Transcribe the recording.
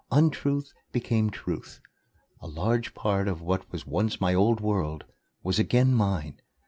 Untruth became Truth. A large part of what was once my old world was again mine.